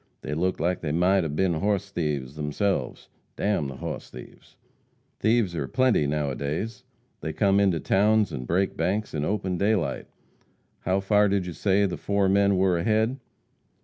They looked like they might 'a been hoss thieves theirselves. D n the hoss thieves!" "Thieves are plenty now a days. They come into towns and break banks in open daylight. How far did you say the four men were ahead?"